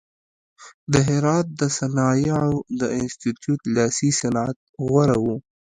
د هرات د صنایعو د انستیتیوت لاسي صنعت غوره و.